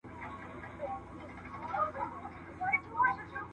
د سفر پر مهال د مسافر اعصاب باید ډېر قوي وي.